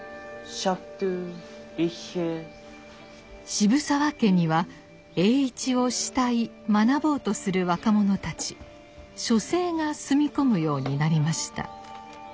渋沢家には栄一を慕い学ぼうとする若者たち書生が住み込むようになりました。